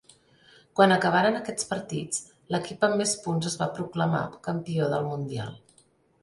Quan acabaren aquests partits, l'equip amb més punts es va proclamar campió del Mundial.